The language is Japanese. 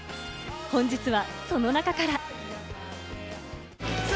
本日はその中から。